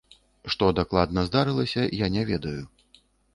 Што дакладна здарылася, я не ведаю.